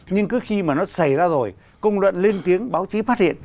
nhưng cứ khi mà nó xảy ra rồi công đoạn lên tiếng báo chí phát hiện